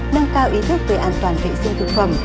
nâng cao ý thức về an toàn vệ sinh thực phẩm